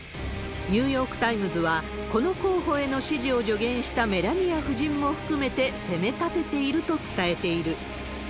ニューヨーク・タイムズは、この候補への支持を助言したメラニア夫人も含めて責めたてていると伝えている。